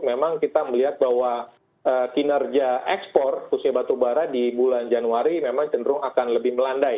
memang kita melihat bahwa kinerja ekspor khususnya batubara di bulan januari memang cenderung akan lebih melandai